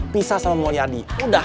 pisah sama mulyadi